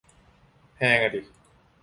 แพงอ่ะดิ